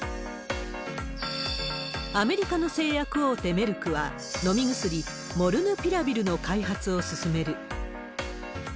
アメリカの製薬大手、メルクは、飲み薬、モルヌピラビルの開発を進める。